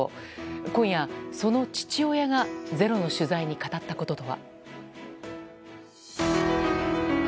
今夜、その父親が「ｚｅｒｏ」の取材に語ったこととは。